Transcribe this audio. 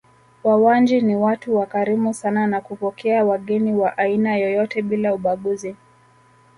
Wawanji ni watu wakarimu sana na kupokea wageni wa aina yoyote bila ubaguzi